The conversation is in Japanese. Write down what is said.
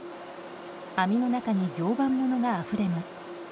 網の中に常磐ものがあふれます。